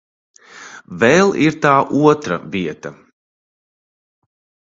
Vēl ir tā otra vieta.